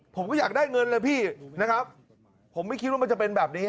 ผมก็อยากได้เงินเลยพี่นะครับผมไม่คิดว่ามันจะเป็นแบบนี้